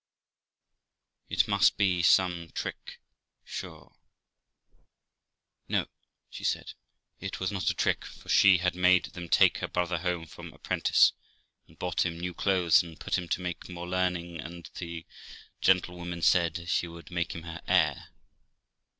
It must be some trick, sure.' 'No', she said, 'it was not a trick, for she had made them take her brother home from apprentice, and bought him new clothes, and put him to have more learning; and the gentlewoman said she would make him her heir.'